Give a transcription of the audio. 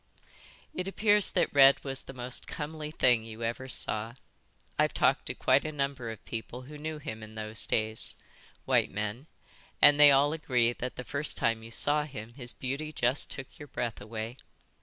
"It appears that Red was the most comely thing you ever saw. I've talked to quite a number of people who knew him in those days, white men, and they all agree that the first time you saw him his beauty just took your breath away.